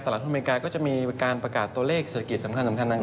ตลาดหุ้นอเมริกาก็จะมีการประกาศตัวเลขเศรษฐกิจสำคัญต่าง